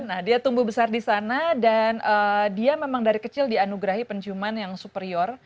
nah dia tumbuh besar di sana dan dia memang dari kecil dianugerahi penciuman yang superior